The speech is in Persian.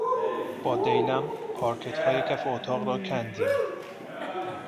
با دیلم پارکتهای کف اتاق را کندیم.